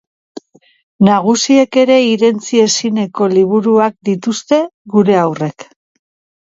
Nagusiek ere irentsi ezineko liburuak dituzte gure haurrek.